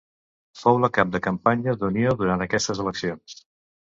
Fou la cap de campanya d'Unió durant aquestes eleccions.